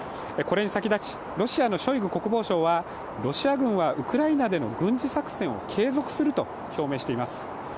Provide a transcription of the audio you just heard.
これに先立ち、ロシアのショイグ国防相は、ロシア軍はウクライナでの軍事作戦を継続すると表明しています。